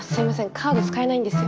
カード使えないんですよ。